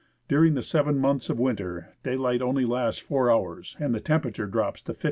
During the seven months of winter, daylight only lasts four hours, and the temperature drops to 59° F.